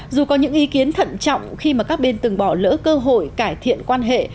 dù có những ý kiến thận trọng khi mà các bên từng bỏ lỡ cơ hội cải thiện quan hệ